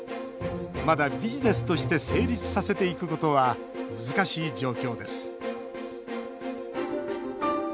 まだビジネスとして成立させていくことは難しい状況です。